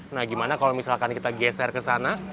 nah gimana kalau misalkan kita geser ke sana